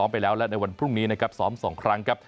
ไปแล้วและในวันพรุ่งนี้นะครับซ้อม๒ครั้งครับ